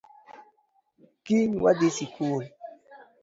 Kiny wadhii sikul